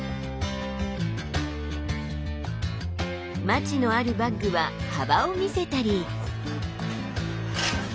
マチのあるバッグは幅を見せたり。